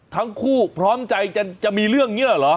ทั้งคู่พร้อมใจจะมีเรื่องเงื่อเหรอ